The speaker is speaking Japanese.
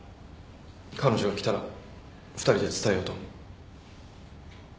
彼女が来たら２人で伝えようと思う。